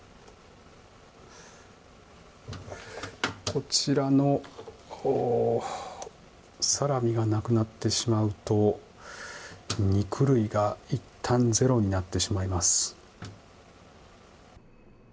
こちらのサラミがなくなってしまうと肉類が、いったんゼロになってしまいます。